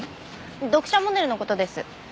読者モデルの事です。